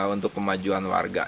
untuk kemajuan warga